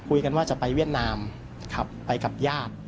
คุยกันว่าจะไปเวียดนามขับไปกับญาติ